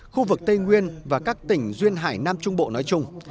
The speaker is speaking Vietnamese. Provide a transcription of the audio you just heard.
khu vực tây nguyên và các tỉnh duyên hải nam trung bộ nói chung